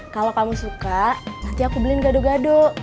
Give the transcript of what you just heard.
kalau kamu suka nanti aku beliin gado gado